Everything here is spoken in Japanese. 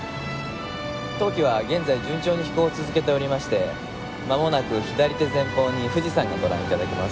当機は現在順調に飛行を続けておりましてまもなく左手前方に富士山がご覧頂けます。